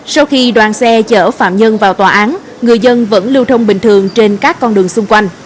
sau khi đoàn xe chở phạm nhân vào tòa án người dân vẫn lưu thông bình thường trên các con đường xung quanh